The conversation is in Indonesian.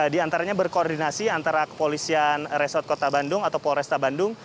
di antaranya berkoordinasi antara kepolisian resort kota bandung atau polresta bandung